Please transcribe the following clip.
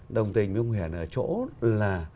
đồng tình với ông huỳnh ở chỗ là